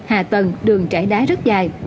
hà tần đường trải đất